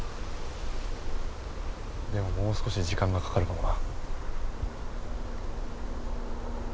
でももう少し時間がかかるかもな。